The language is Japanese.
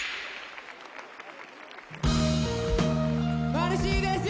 マルシィです！